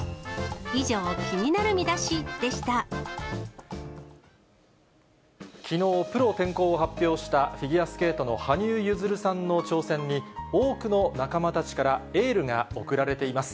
以上、きのう、プロ転向を発表したフィギュアスケートの羽生結弦さんの挑戦に、多くの仲間たちからエールが送られています。